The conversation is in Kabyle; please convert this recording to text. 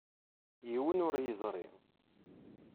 Yiwen ur yeẓri.